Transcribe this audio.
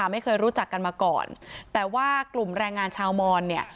ไม่เคยรู้จักกันมาก่อนแต่ว่ากลุ่มแรงงานชาวมอนเนี่ย